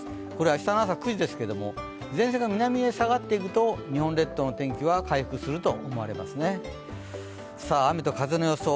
明日朝９時ですけれども、前線が南へ下がっていくと日本列島の天気は回復すると思います。